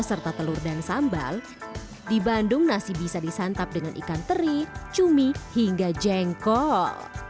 serta telur dan sambal di bandung nasi bisa disantap dengan ikan teri cumi hingga jengkol